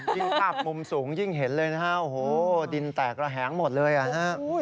จริงครับมุมสูงยิ่งเห็นเลยนะครับโอ้โฮดินแตกแล้วแหงหมดเลย